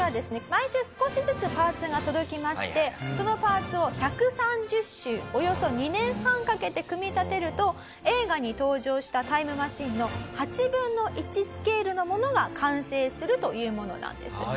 毎週少しずつパーツが届きましてそのパーツを１３０週およそ２年半かけて組み立てると映画に登場したタイムマシンの８分の１スケールのものが完成するというものなんです。